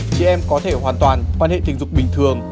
chị em có thể hoàn toàn quan hệ tình dục bình thường